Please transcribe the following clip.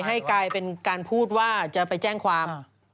ให้กลายเป็นการพูดว่าจะไปแจ้งความ